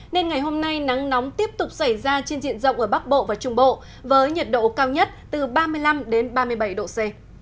nên ngày hôm nay nắng nóng tiếp tục xảy ra trên diện rộng ở bắc bộ và trung bộ với nhiệt độ cao nhất từ ba mươi năm ba mươi bảy độ c